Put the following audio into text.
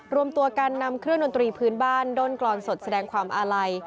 รวมตัวกันนำเครื่องดนตรีพื้นบ้านด้นกรอนสดแสดงความอาลัย